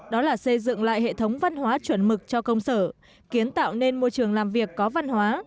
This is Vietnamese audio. đó là xây dựng lại hệ thống văn hóa chuẩn mực cho công sở kiến tạo nên môi trường làm việc có văn hóa